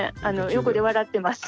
横で笑ってます。